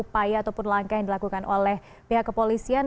pada presiden kepolisian